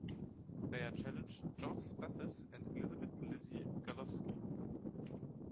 They are challenged George Spathis and Elizabeth "Lizzy" Garlovsky.